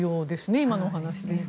今のお話ですと。